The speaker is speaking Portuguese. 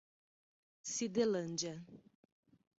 Cidelândia